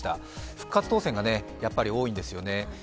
復活当選がやっぱり多いんですよね。